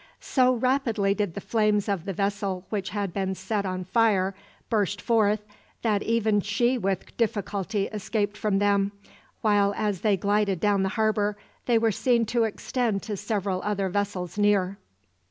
So rapidly did the flames of the vessel which had been set on fire burst forth, that even she with difficulty escaped from them, while, as they glided down the harbour, they were seen to extend to several other vessels near.